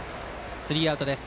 スリーアウトです。